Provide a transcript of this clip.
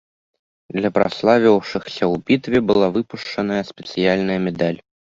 Для праславіўшыхся ў бітве была выпушчаная спецыяльная медаль.